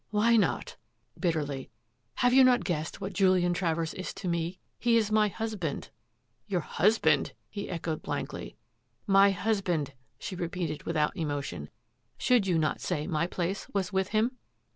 " Why not? " bitterly. " Have you not guessed what Julian Travers is to me? He is my hus band." " Your husband? " he echoed blankly. "My husband," she repeated without emotion. " Should you not say my place was with him?